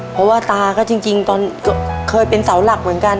เพราะว่าตาก็จริงตอนเคยเป็นเสาหลักเหมือนกัน